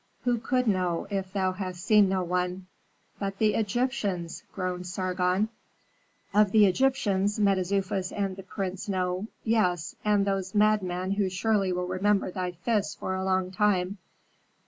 "Who could know, if thou hast seen no one?" "But the Egyptians!" groaned Sargon. "Of the Egyptians Mentezufis and the prince know, yes, and those madmen who surely will remember thy fists for a long time."